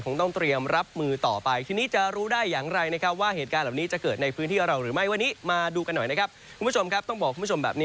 คงต้องเตรียมรับมือต่อไปทีนี้จะรู้ได้อย่างไรนะครับว่าเหตุการณ์เหล่านี้จะเกิดในพื้นที่เราหรือไม่